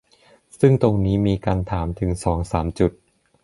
ซึ่งตรงนี้มีการถามถึงสองสามจุด